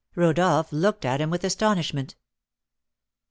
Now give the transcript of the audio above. Rodolph looked at him with astonishment.